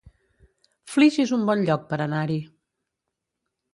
Flix es un bon lloc per anar-hi